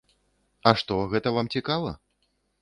А што, гэта вам цікава?